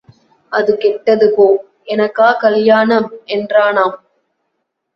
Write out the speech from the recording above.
அது கெட்டது போ, எனக்கா கல்யாணம் என்றானாம்.